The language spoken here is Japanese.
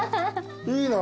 いいな。